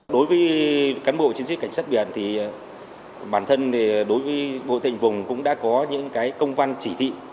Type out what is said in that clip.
đối với cán bộ chiến sĩ cảnh sát biển thì bản thân đối với bộ tình vùng cũng đã có những công văn chỉ thị